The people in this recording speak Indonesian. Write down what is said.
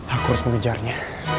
aku harus mengejarnya